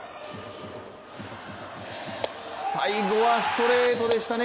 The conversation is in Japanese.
最後はストレートでしたね。